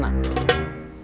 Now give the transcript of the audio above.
tidak ada operasi bos